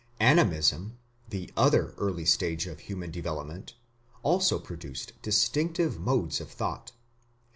Animism, the other early stage of human development, also produced distinctive modes of thought.